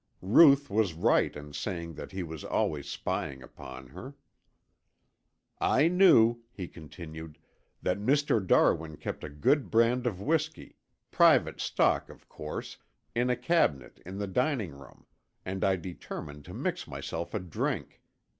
Ruth was right in saying that he was always spying upon her. "I knew," he continued, "that Mr. Darwin kept a good brand of whisky, private stock of course, in a cabinet in the dining room, and I determined to mix myself a drink.